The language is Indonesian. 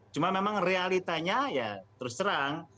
cuma memang realitanya ya terus terang